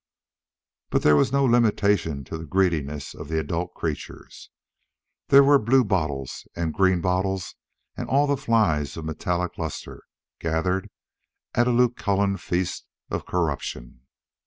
But there was no limitation to the greediness of the adult creatures. There were bluebottles and green bottles and all the flies of metallic lustre, gathered at a Lucullan feast of corruption.